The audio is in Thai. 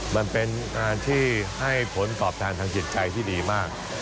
มันเป็นงานที่ให้ผลตอบแทนทางจิตใจที่ดีมาก